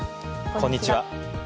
こんにちは。